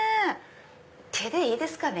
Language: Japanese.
手でいいですかね。